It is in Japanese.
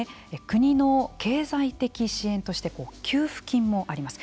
国の経済的支援として給付金もあります。